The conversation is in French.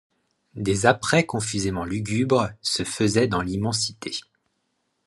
Des apprêts, confusément lugubres, se faisaient dans l’immensité.